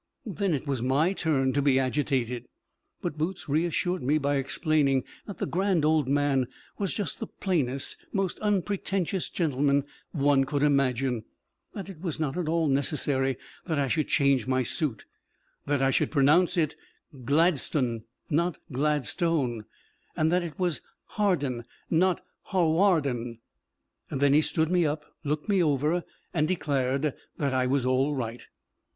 Then it was my turn to be agitated. But Boots reassured me by explaining that the Grand Old Man was just the plainest, most unpretentious gentleman one could imagine; that it was not at all necessary that I should change my suit; that I should pronounce it Gladstun, not Glad stone, and that it was Harden, not Ha war den. Then he stood me up, looked me over, and declared that I was all right.